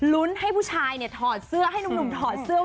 ให้ผู้ชายเนี่ยถอดเสื้อให้หนุ่มถอดเสื้อ